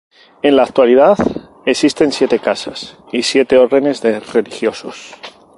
En la actualidad existen siete casas y siete órdenes de religiosos.